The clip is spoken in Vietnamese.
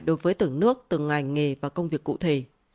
đối với từng nước từng ngành nghề và công việc cụ thể